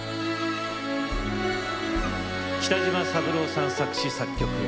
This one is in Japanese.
北島三郎さん作詞・作曲。